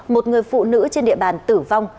một người phụ nữ trên địa bàn tử vong